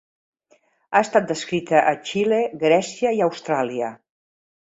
Ha estat descrita a Xile, Grècia i Austràlia.